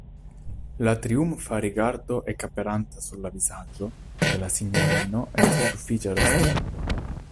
La triumfa rigardo ekaperanta sur la vizaĝo de la sinjorino estis sufiĉa respondo.